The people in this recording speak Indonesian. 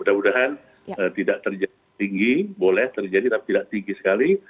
mudah mudahan tidak terjadi tinggi boleh terjadi tapi tidak tinggi sekali